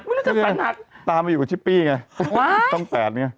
ชาวตามาอยู่กับชิปปี้ไง